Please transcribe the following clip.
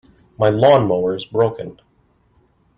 My lawn-mower is broken.